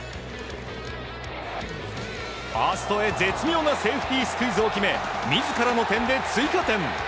ファーストへ絶妙なスクイズを決め自らの点で追加点。